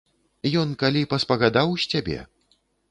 Ён калі паспагадаў з цябе?